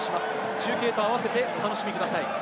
中継とあわせてお楽しみください。